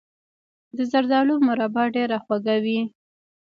د زردالو مربا ډیره خوږه وي.